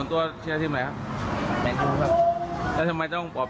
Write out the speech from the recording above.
ตามใจก็เลยให้ทานฟรี